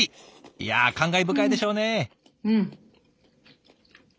いや感慨深いでしょうね。